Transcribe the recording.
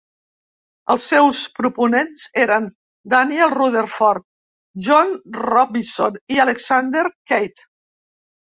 Els seus proponents eren Daniel Rutherford, John Robison i Alexander Keith.